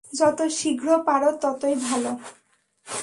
যত শীঘ্র পার, ততই ভাল।